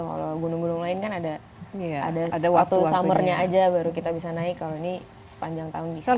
kalau gunung gunung lain kan ada waktu summernya aja baru kita bisa naik kalau ini sepanjang tahun bisa